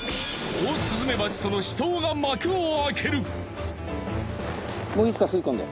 オオスズメバチとの死闘が幕を開ける。